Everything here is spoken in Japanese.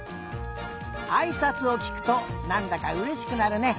あいさつをきくとなんだかうれしくなるね。